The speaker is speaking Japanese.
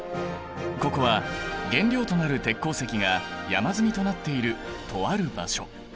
ここは原料となる鉄鉱石が山積みとなっているとある場所。